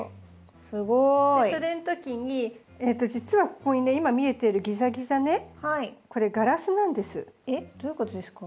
すごい。それのときに実はここにね今見えてるギザギザねこれえっどういうことですか？